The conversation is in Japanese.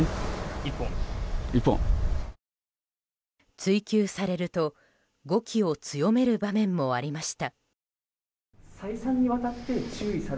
追及されると語気を強める場面もありました。